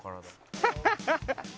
ハハハハ！